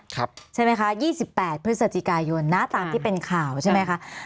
ใช่ไหมคะ๒๘พฤศจิกายนนะตามที่เป็นข่าวใช่ไหมคะ